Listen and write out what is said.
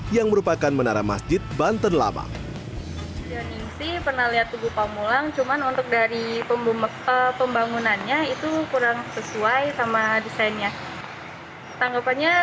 yang merupakan menara masjid banten labang